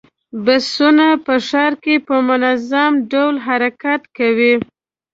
بسونه په ښار کې په منظم ډول حرکت کوي.